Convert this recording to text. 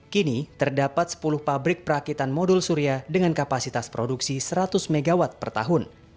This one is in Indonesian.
kini terdapat sepuluh pabrik perakitan modul surya dengan kapasitas produksi seratus mw per tahun